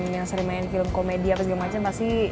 yang sering main film komedi apa segala macam pasti